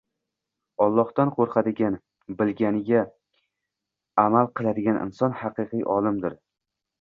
Allohdan qo‘rqadigan, bilganiga amal qiladigan inson haqiqiy olimdir.